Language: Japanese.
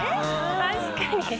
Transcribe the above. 確かに。